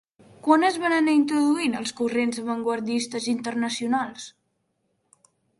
Quan es van anar introduint els corrents avantguardistes internacionals?